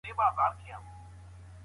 که مرسته ونه شي، کار ځنډېږي.